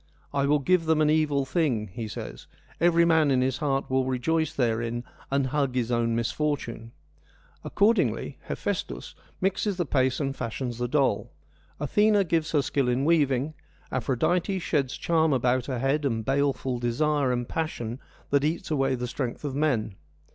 ' I will give them an evil thing,' he says ;' every man in his heart will rejoice therein and hug his own misfortune.' Accordingly, Hephaestus mixes the paste and fashions the doll. Athena gives her skill in weaving, Aphrodite ' sheds charm about her head and baleful desire and passion that eats away the strength of men.'